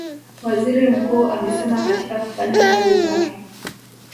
Waziri Mkuu amesema katika kufanya kazi zake